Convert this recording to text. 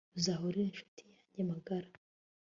Uzahora uri inshuti yanjye magara